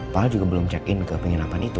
pak al juga belum check in ke penginapan itu